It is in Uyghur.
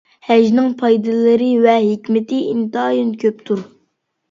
ھەجنىڭ پايدىلىرى ۋە ھېكمىتى ئىنتايىن كۆپتۇر.